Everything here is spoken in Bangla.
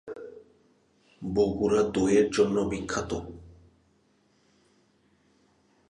সাও পাওলো হল সাধু পলের পর্তুগিজ নাম।